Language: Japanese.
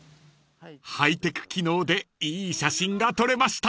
［ハイテク機能でいい写真が撮れました］